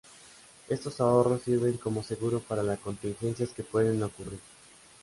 Estos ahorros sirven como seguro para las contingencias que puedan ocurrir.